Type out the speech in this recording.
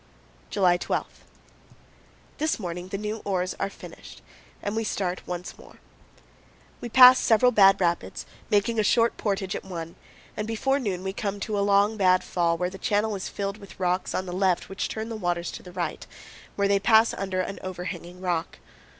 July 12. This morning the new oars are finished and we start once more. We pass several bad rapids, making a short portage at one, and 196 6 CANYONS OF THE COLORADO. before noon we come to a long, bad fall, where the channel is filled with rocks on the left which turn the waters to the right, where they pass under an overhanging rock.